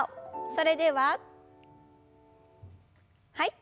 それでははい。